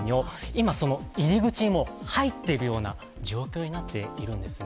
今、その入り口に入っているような状況になっているわけですね。